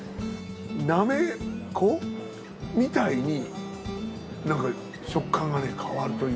なめこみたいになんか食感が変わるというか。